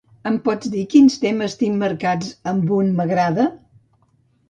Em pots dir quins temes tinc marcats amb un m'"agrada"?